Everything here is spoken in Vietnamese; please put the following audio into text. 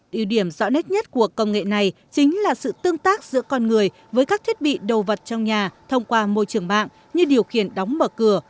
điều điểm rõ nét nhất của công nghệ này chính là sự tương tác giữa con người với các thiết bị đồ vật trong nhà thông qua môi trường mạng như điều khiển đóng mở cửa